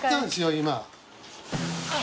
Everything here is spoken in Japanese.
今。